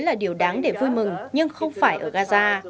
đây là điều đáng để vui mừng nhưng không phải ở gaza